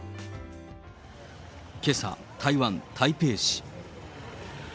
けさ、台湾・台北市。